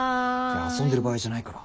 遊んでる場合じゃないから。